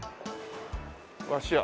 「わしや」